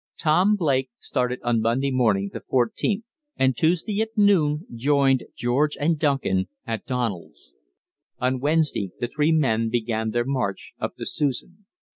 Tom Blake started on Monday morning, the 14th, and Tuesday at noon joined George and Duncan at Donald's. On Wednesday the three men began their march up the Susan.